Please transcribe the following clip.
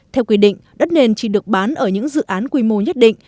theo quy định đất nền chỉ được bán ở những dự án quy mô nhất định